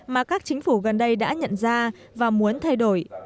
mà các chính phủ gần đây đã nhận ra và muốn thay đổi